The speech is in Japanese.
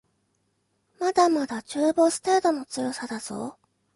まだまだ中ボス程度の強さだぞ